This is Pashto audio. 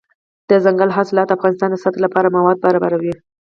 دځنګل حاصلات د افغانستان د صنعت لپاره مواد برابروي.